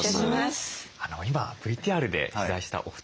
今ＶＴＲで取材したお二人はですね